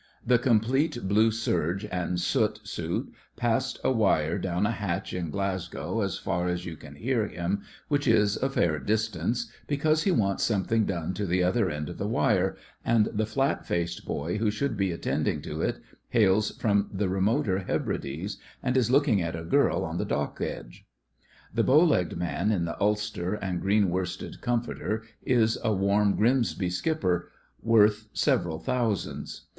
The complete blue serge and soot suit passing a wire THE FRINGES OF THE FLEET 13 down a hatch is Glasgow as far as you can hear him, which is a fair distance, because he wants something done to the other end of the wire, and the flat faced boy who should be attending to it hails from the remoter Hebrides, and is looking at a girl on the dock edge. The bow legged man in the ulster and green worsted comforter is a warm Grimsby skipper, worth several thousands.